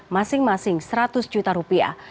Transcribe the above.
masing masing seratus juta rupiah